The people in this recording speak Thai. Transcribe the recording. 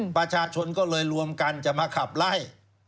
ประชาชนก็เลยรวมกันจะมาขับไล่